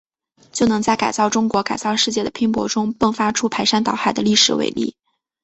就能在改造中国、改造世界的拼搏中，迸发出排山倒海的历史伟力。